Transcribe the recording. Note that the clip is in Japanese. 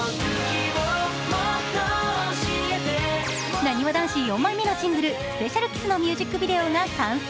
なにわ男子４枚目のシングル「ＳｐｅｃｉａｌＫｉｓｓ」のミュージックビデオが完成。